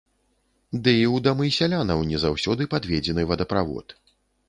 Ды і ў дамы сялянаў не заўсёды падведзены вадаправод.